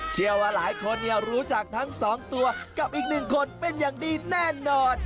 เชื่อว่าหลายคนรู้จักทั้งสองตัวกับอีกหนึ่งคนเป็นอย่างดีแน่นอน